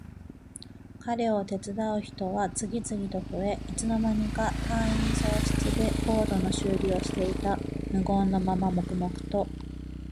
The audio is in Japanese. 彼を手伝う人は次々と増え、いつの間にか隊員総出でボートの修理をしていた。無言のまま黙々と。